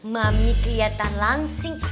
mami keliatan langsing